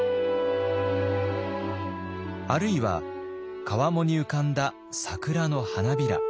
あるいは川面に浮かんだ桜の花びら。